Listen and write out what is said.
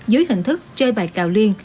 dưới hình thức chơi bài cào liên